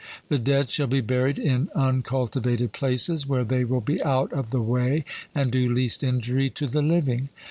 The dead shall be buried in uncultivated places, where they will be out of the way and do least injury to the living.